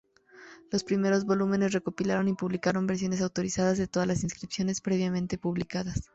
Los primeros volúmenes recopilaron y publicaron versiones autorizadas de todas las inscripciones previamente publicadas.